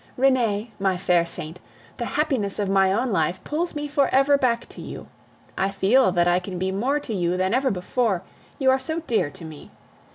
Renee, my fair saint, the happiness of my own life pulls me for ever back to you. I feel that I can be more to you than ever before, you are so dear to me!